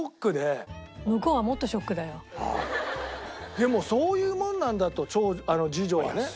でもそういうもんなんだと次女はね。